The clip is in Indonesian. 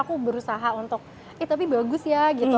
aku berusaha untuk eh tapi bagus ya gitu